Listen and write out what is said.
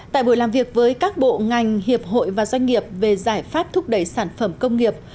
tại buổi làm việc với các bộ ngành hiệp hội và doanh nghiệp về giải pháp thúc đẩy sản phẩm công nghiệp